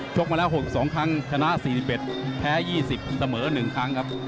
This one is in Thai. กมาแล้ว๖๒ครั้งชนะ๔๑แพ้๒๐เสมอ๑ครั้งครับ